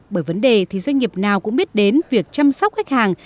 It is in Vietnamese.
bởi vấn đề thì doanh nghiệp nào cũng biết đến việc chăm sóc khách hàng